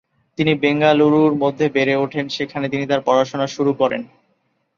তিনি বেঙ্গালুরুর মধ্যে বেড়ে ওঠেন, সেখানে তিনি তার পড়াশোনা শুর করেন।